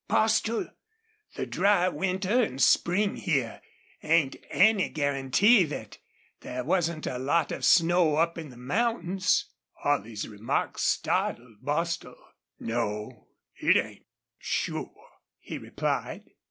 "Bostil, the dry winter an' spring here ain't any guarantee thet there wasn't a lot of snow up in the mountains." Holley's remark startled Bostil. "No it ain't sure," he replied.